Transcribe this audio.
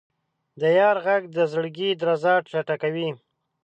د یار ږغ د زړګي درزا چټکوي.